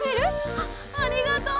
あっありがとう！